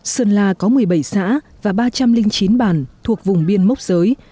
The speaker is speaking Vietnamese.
sơn la có một mươi bảy xã và ba trăm linh chín bản thuộc vùng biên mốc giới